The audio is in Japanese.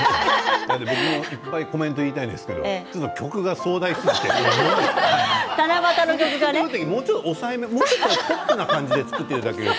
僕もいっぱいコメントを言いたいんですけど曲が壮大すぎてもうちょっとポップな感じで作っていただくと。